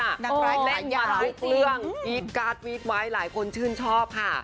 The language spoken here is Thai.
นางร้ายจริงเล่นมาทุกเรื่องอีกการ์ดวิทย์ไว้หลายคนชื่นชอบค่ะ